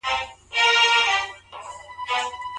په مجازي زده کړه کي د حضوري ټولګیو تشه څنګه ډکېږي؟